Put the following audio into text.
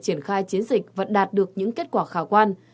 triển khai chiến dịch và đạt được những kết quả khả quan